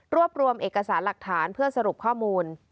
รวมรวมเอกสารหลักฐานเพื่อสรุปข้อมูล